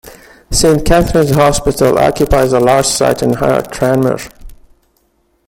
Saint Catherine's Hospital occupies a large site in Higher Tranmere.